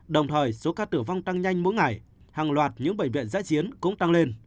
đồng thời số ca tử vong tăng nhanh mỗi ngày hàng loạt những bệnh viện giã chiến cũng tăng lên